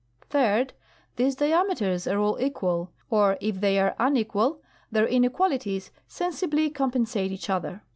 Third. These diameters are all equal, or if they are unequal their inequalities sensibly compensate each other.